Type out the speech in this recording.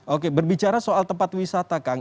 oke berbicara soal tempat wisata kang